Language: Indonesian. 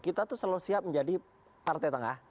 kita tuh selalu siap menjadi partai tengah